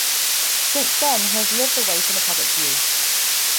Since then, he has lived away from the public view.